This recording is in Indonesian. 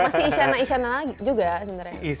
masih isyana isyana lagi juga sebenarnya